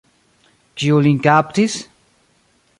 Kiu lin kaptis?